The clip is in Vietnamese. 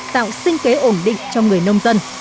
tạo sinh kế ổn định cho người nông dân